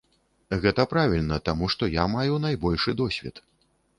Гэта правільна, таму што я маю найбольшы досвед.